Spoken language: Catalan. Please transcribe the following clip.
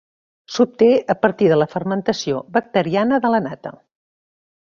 S'obté a partir de la fermentació bacteriana de la nata.